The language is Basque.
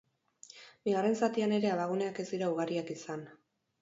Bigarren zatian ere abaguneak ez dira ugariak izan.